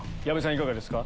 いかがですか？